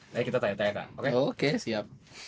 nanti kita tanya tanya kak oke oke siap